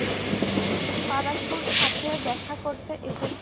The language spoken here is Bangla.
পারাসুর সাথে দেখা করতে এসেছেন?